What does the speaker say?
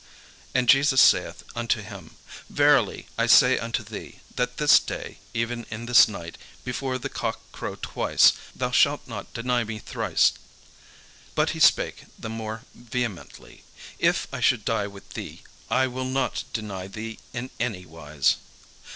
And Jesus saith unto him, "Verily I say unto thee, that this day, even in this night, before the cock crow twice, thou shalt deny me thrice." But he spake the more vehemently, "If I should die with thee, I will not deny thee in any wise."